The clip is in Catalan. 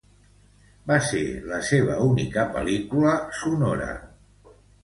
Va ser la seua única pel·lícula sonora.